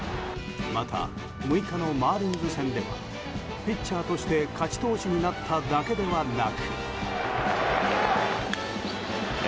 また、６日のマーリンズ戦ではピッチャーとして勝ち投手になっただけではなく。